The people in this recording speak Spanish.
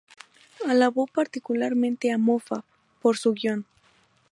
Alabó particularmente a Moffat por su guion.